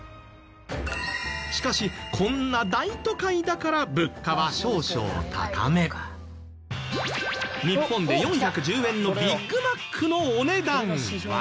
しかしこんな大都会だから日本で４１０円のビッグマックのお値段は。